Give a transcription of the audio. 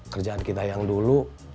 kerjaan kita yang dulu